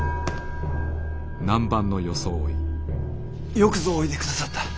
よくぞおいでくださった。